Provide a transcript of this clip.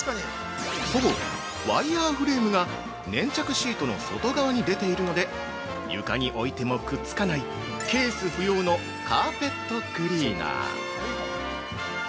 ◆そう、ワイヤーフレームが粘着シートの外側に出ているので、床に置いてもくっつかないケース不要のカーペットクリーナー。